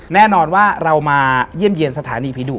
แน่นอนว่าเรามาเยี่ยมเยี่ยมสถานีผีดุ